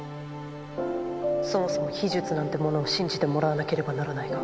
そもそも秘術なんてものを信じてもらわなければならないが。